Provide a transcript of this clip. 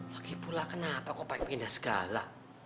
lagipula kenapa kok pindah segala